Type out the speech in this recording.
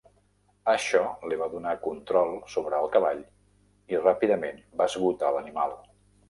Això li va donar control sobre el cavall i ràpidament va esgotar l'animal.